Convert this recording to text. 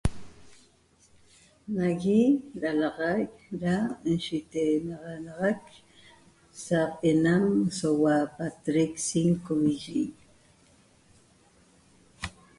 Nagui dalaxaic da nshiitenaxanaxac saq ena'am soua pa'atrec 5 vi'iyi